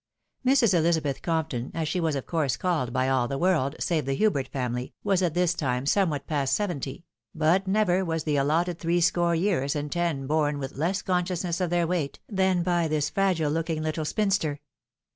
Mrs. Elizabeth Compton, as she was of course called by all the world, save the Hubert family, was at this time somewhat past seventy ; but never was the allotted three score years and ten borne with less consciousness of their weight than by this fragile looking little spinster.